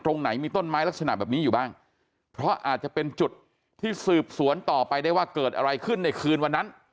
ตรงไหนมีต้นไม้ลักษณะแบบนี้อยู่บ้างเพราะอาจจะเป็นจุดที่สืบสวนต่อไปได้ว่าเกิดอะไรขึ้นในคืนวันนั้น